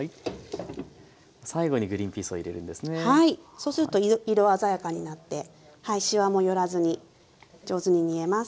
そうすると色鮮やかになってしわも寄らずに上手に煮えます。